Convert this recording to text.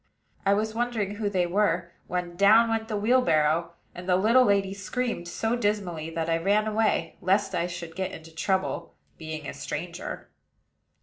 I was wondering who they were, when down went the wheelbarrow; and the little lady screamed so dismally that I ran away, lest I should get into trouble, being a stranger.